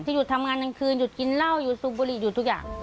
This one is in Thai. หยุดทำงานกลางคืนหยุดกินเหล้าหยุดสูบบุหรี่หยุดทุกอย่าง